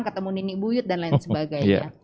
ketemu nini buyut dan lain sebagainya